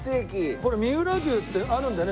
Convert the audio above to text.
これ三浦牛ってあるんだよね。